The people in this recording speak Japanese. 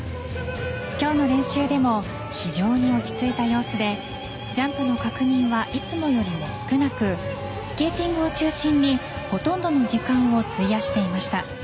今日の練習でも非常に落ち着いた様子でジャンプの確認はいつもよりも少なくスケーティングを中心にほとんどの時間を費やしていました。